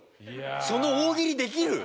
その大喜利できる？